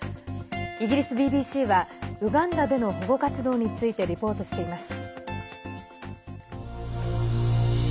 イギリスＢＢＣはウガンダでの保護活動についてリポートしています。